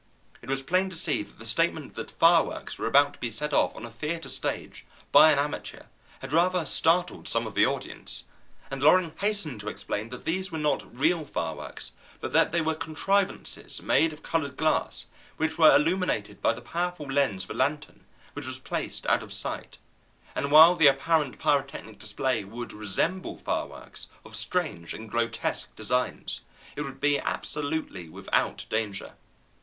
It was plain to see that the statement that fireworks were about to be set off on a theatre stage, by an amateur, had rather startled some of the audience, and Loring hastened to explain that these were not real fireworks, but that they were contrivances made of colored glass, which were illuminated by the powerful lens of a lantern which was placed out of sight, and while the apparent pyrotechnic display would resemble fireworks of strange and grotesque designs, it would be absolutely without danger.